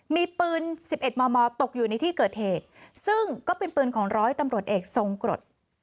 มีปืน๑๑มมตกอยู่ในที่เกิดเหตุซึ่งก็เป็นปืนของร้อยตำรวจเอกทรงกรด